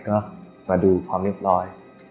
ก็มาดูความเรียบร้อย